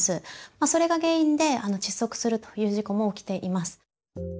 それが原因で窒息するという事故も起きています。